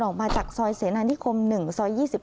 ออกมาจากซอยเสนานิคม๑ซอย๒๑